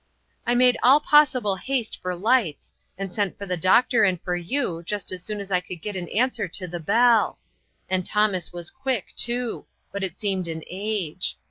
" I made all possible haste for lights, and sent for the doctor and for you just as soon as I could get an answer to the bell ; and Thomas was quick, too, but it seemed an age.